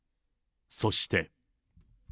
そして。